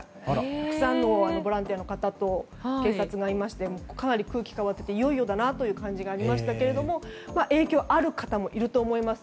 たくさんのボランティアの方と警察がいましてかなり空気が変わっていていよいよだなという感じがしましたが影響ある方もいると思います。